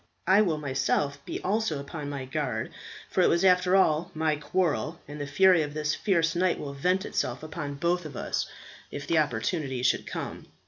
I will myself be also upon my guard, for it was after all my quarrel, and the fury of this fierce knight will vent itself upon both of us if the opportunity should come.